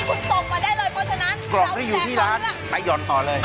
เพราะฉะนั้นกรอบที่อยู่ที่ร้านให้หย่อนต่อเลย